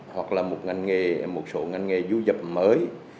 hoặc là một ngành nghề một số ngành nghề du nhập mới